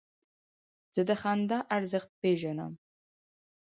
زه د خندا ارزښت پېژنم.